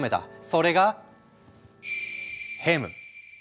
それがヘム。